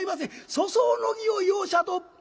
粗相の儀を容赦と」。